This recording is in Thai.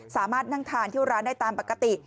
สามารถนั่งทานที่ร้านได้ตามปกติ